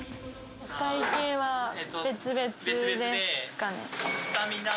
お会計は別々ですかね。